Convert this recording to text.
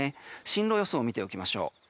進路予想を見ておきましょう。